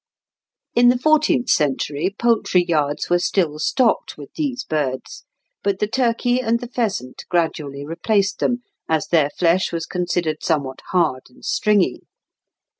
In the fourteenth century poultry yards were still stocked with these birds; but the turkey and the pheasant gradually replaced them, as their flesh was considered somewhat hard and stringy.